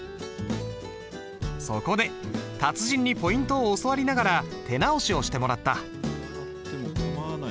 そこで達人にポイントを教わりながら手直しをしてもらった。